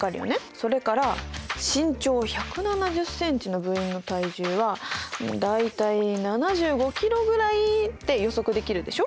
それから身長１７０ｃｍの部員の体重は大体７５ｋｇぐらいって予測できるでしょ。